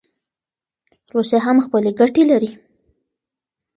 روسیه هم خپلي ګټي لري.